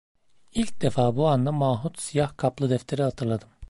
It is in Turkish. İlk defa bu anda mahut siyah kaplı defteri hatırladım.